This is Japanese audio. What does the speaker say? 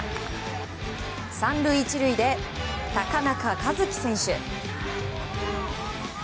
３塁１塁で高中一樹選手。